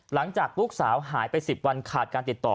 หลังจากลูกสาวหายไป๑๐วันขาดการติดต่อ